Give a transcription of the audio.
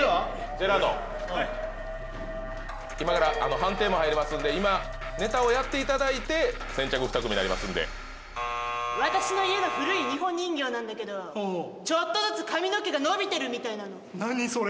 ジェラードン今から判定も入りますので今ネタをやっていただいて先着２組になりますので私の家の古い日本人形なんだけどちょっとずつ髪の毛が伸びてるみたいなの何それ？